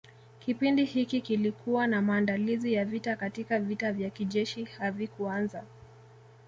Kipindi hiki kilikuwa na maandalizi ya vita lakini vita vya kijeshi havikuanza